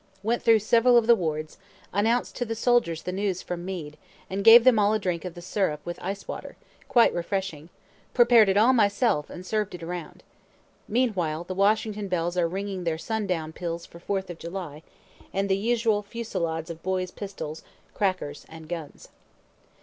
Went through several of the wards, announc'd to the soldiers the news from Meade, and gave them all a good drink of the syrups with ice water, quite refreshing prepar'd it all myself, and serv'd it around. Meanwhile the Washington bells are ringing their sun down peals for Fourth of July, and the usual fusilades of boys' pistols, crackers, and guns.